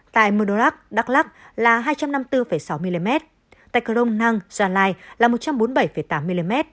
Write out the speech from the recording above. tại mưu đô lắc đắk lắc là hai trăm năm mươi bốn sáu mm tại cờ rông năng gia lai là một trăm bốn mươi bảy tám mm